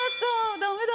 ダメだ。